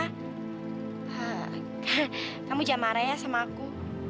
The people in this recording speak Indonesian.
he kamu jangan marah ya sama aku